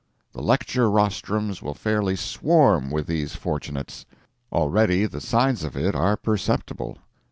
The lecture rostrums will fairly swarm with these fortunates. Already the signs of it are perceptible.